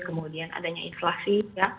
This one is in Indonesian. kemudian adanya inflasi